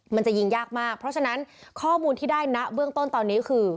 มันจะยิงยากมากเพราะฉะนั้นข้อมูลที่ได้นะเบื้องต้นตอนนี้คือ